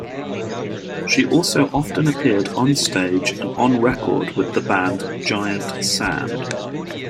She also often appeared onstage and on record with the band Giant Sand.